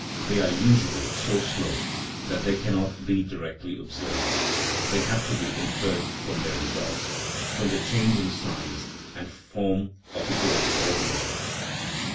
They are usually so slow that they cannot be directly observed ; they have to be inferred from their results from the change in size and form of the growing organism.